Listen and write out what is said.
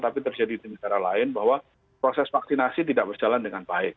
tapi terjadi di negara lain bahwa proses vaksinasi tidak berjalan dengan baik